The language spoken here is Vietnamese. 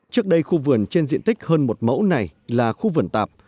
trước đây khu vườn trên diện tích hơn một mẫu này là khu vườn tạp